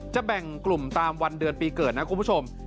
แบ่งกลุ่มตามวันเดือนปีเกิดนะคุณผู้ชม